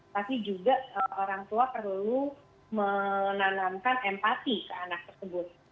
tapi juga orang tua perlu menanamkan empati ke anak tersebut